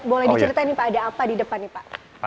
boleh diceritain nih pak ada apa di depan nih pak